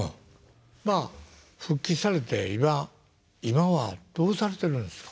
まあ復帰されて今はどうされてるんですか？